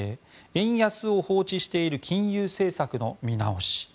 円安を放置している金融政策の見直し。